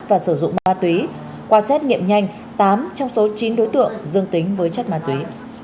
và sử dụng ma túy qua xét nghiệm nhanh tám trong số chín đối tượng dương tính với chất ma túy